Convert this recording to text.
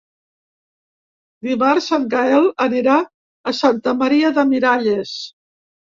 Dimarts en Gaël anirà a Santa Maria de Miralles.